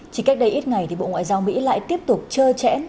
chỉ cách đây ít ngày bộ ngoại giao mỹ lại tiếp tục chơ chẽn